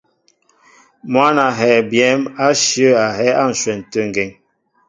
Mwǎn a hɛɛ byɛ̌m áshyə̂ a hɛ́ á ǹshwɛn tê ŋgeŋ.